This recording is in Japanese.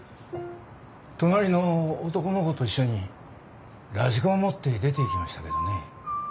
隣の男の子と一緒にラジコンを持って出ていきましたけどね。